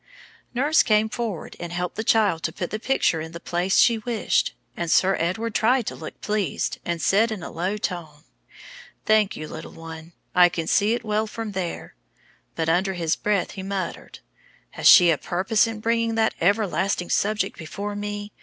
Nurse came forward and helped the child to put the picture in the place she wished; and Sir Edward tried to look pleased, and said in a low tone, "Thank you, little one, I can see it well from there"; but under his breath he muttered, "Has she a purpose in bringing that everlasting subject before me?